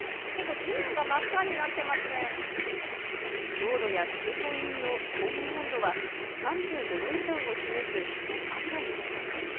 道路や通行人の表面温度は３５度以上を示す赤に。